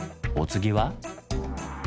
お次は？